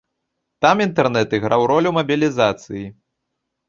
Там інтэрнэт іграў ролю мабілізацыі.